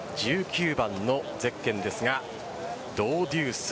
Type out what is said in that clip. １９番のゼッケンですがドウデュース。